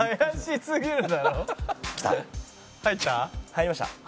入りました。